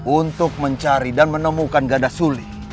untuk mencari dan menemukan gada suli